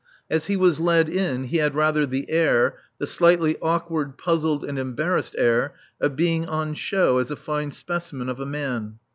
As he was led in he had rather the air, the slightly awkward, puzzled and embarrassed air, of being on show as a fine specimen of a man.